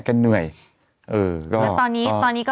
ทั้งทั้งทั้ง